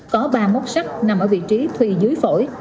có ba mốt sắp nằm ở vị trí thùy dưới phổi